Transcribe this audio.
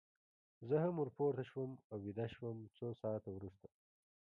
زه هم ور پورته شوم او ویده شوم، څو ساعته وروسته.